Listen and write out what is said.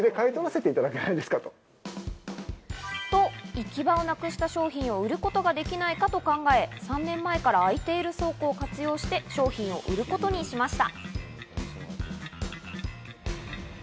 行き場をなくした商品を売ることができないかと考え、３年前から空いている倉庫を活用して商品を売ることにしました。